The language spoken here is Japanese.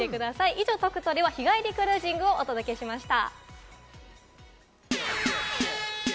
以上、トクトレは日帰りクルージングをお届けしました。